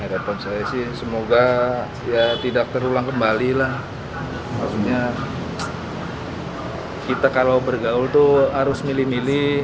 harapan saya sih semoga ya tidak terulang kembali lah maksudnya kita kalau bergaul itu harus milih milih